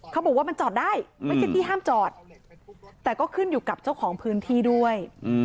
เขาบอกว่ามันจอดได้ไม่ใช่ที่ห้ามจอดแต่ก็ขึ้นอยู่กับเจ้าของพื้นที่ด้วย